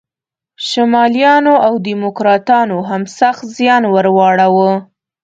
شمالیانو او دیموکراتانو هم سخت زیان ور واړاوه.